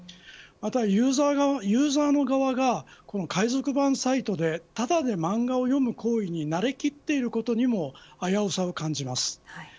またユーザーの側が海賊版サイトでタダで漫画を読む行為に慣れきっていることにも危うさを感じます。